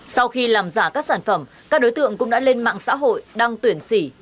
sau khi làm giả các sản phẩm các đối tượng cũng đã lên mạng xã hội đăng tuyển sỉ